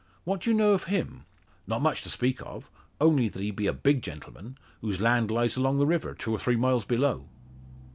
What do you know of him?" "Not much to speak of only that he be a big gentleman, whose land lies along the river, two or three miles below."